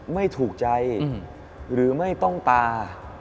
ไม่ถูกใจหรือไม่ต้องตา